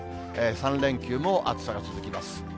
３連休も暑さが続きます。